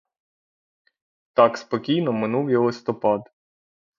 Так спокійно минув і листопад.